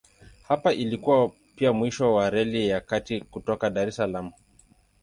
Hapa ilikuwa pia mwisho wa Reli ya Kati kutoka Dar es Salaam.